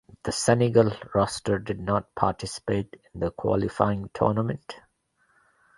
The Senegal roster did not participate in the Qualifying Tournament.